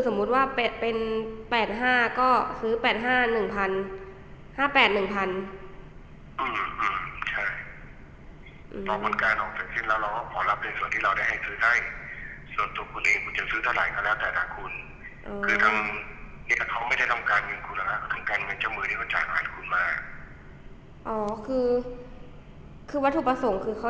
ก็ต้องการเงินเจ้ามือที่เขาจ่ายขาดคุณมากอ๋อคือคือวัตถุประสงค์คือเขา